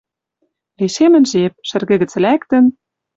Лишемӹн жеп. Шӹргӹ гӹц лӓктӹн